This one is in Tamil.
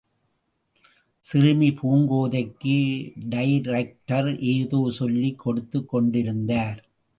சிறுமி பூங்கோதைக்கு டைரக்டர் ஏதோ சொல்லிக் கொடுத்துக் கொண்டிருந்தார்.